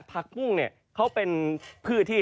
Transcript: ผักบุ้งเนี่ยเขาเป็นพืชที่